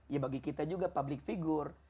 ya bagi kita juga public figure